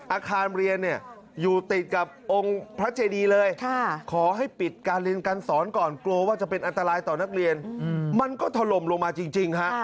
อาคารเรียนเนี่ยอยู่ติดกับองค์พระเจดีเลยขอให้ปิดการเรียนการสอนก่อนกลัวว่าจะเป็นอันตรายต่อนักเรียนมันก็ถล่มลงมาจริงฮะ